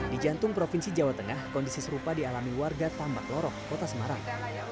di jantung provinsi jawa tengah kondisi serupa dialami warga tambak loroh kota semarang